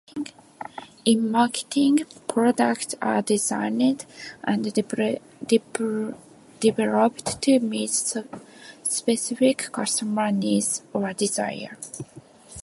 In marketing, products are designed and developed to meet specific customer needs or desires.